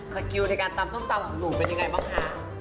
สกิลในการตำส้มตำของหนูเป็นยังไงบ้างคะ